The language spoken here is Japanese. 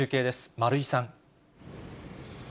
丸井さん。